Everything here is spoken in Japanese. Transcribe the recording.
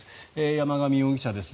山上容疑者です。